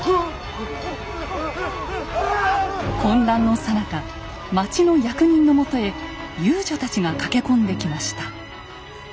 混乱のさなか町の役人のもとへ遊女たちが駆け込んできました。